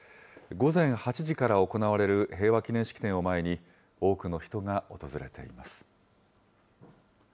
午前８時から行われる平和記念式典を前に、多くの人が訪れています。